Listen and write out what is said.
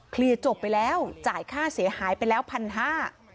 เคลียร์จบไปแล้วจ่ายค่าเสียหายไปแล้วพันห้า